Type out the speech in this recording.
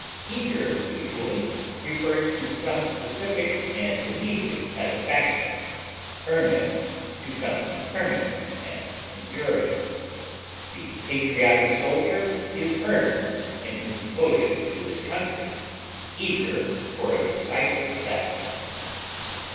Eager usually refers to some specific and immediate satisfaction, earnest to something permanent and enduring; the patriotic soldier is earnest in his devotion to his country, eager for a decisive battle.